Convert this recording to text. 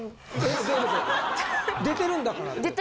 出てるんだからって事？